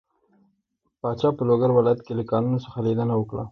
پاچا په لوګر ولايت له کانونو څخه ليدنه وکړه.